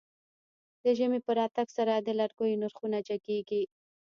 د ژمی په راتګ سره د لرګيو نرخونه جګېږي.